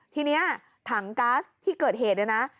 ทีนี้ถังก๊าซที่เกิดเหตุเนี่ยนะ